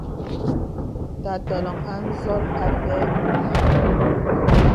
Tà tɔləŋ a n̄zɔl apɛ̂ ùlāā.